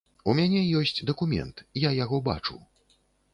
У мяне ёсць дакумент, я яго бачу.